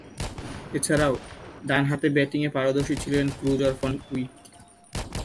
এছাড়াও, ডানহাতে ব্যাটিংয়ে পারদর্শী ছিলেন ক্রুজার ফন উইক।